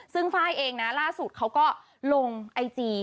ซึ่งไฟล์เองนะล่าสุดเขาก็ลงไอจี